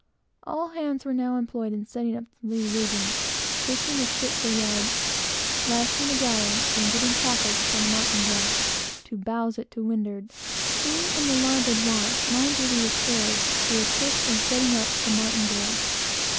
All hands were now employed in setting up the lee rigging, fishing the spritsail yard, lashing the galley, and getting tackles upon the martingale, to bowse it to windward. Being in the larboard watch, my duty was forward, to assist in setting up the martingale.